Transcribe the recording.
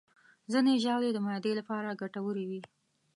ځینې ژاولې د معدې لپاره ګټورې وي.